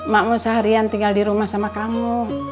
mak mau seharian tinggal di rumah sama kamu